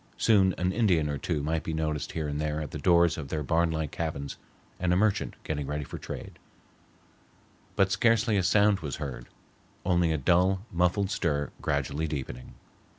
Soon an Indian or two might be noticed here and there at the doors of their barnlike cabins, and a merchant getting ready for trade; but scarcely a sound was heard, only a dull, muffled stir gradually deepening.